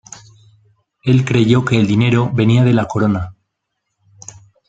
El creyó que el dinero venía de la corona.